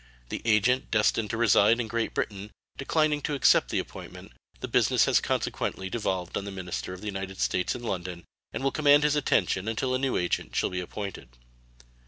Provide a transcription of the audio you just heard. The agent destined to reside in Great Britain declining to accept the appointment, the business has consequently devolved on the minister of the United States in London, and will command his attention until a new agent shall be appointed.